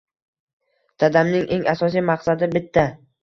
Dadamning eng asosiy maqsadi bitta.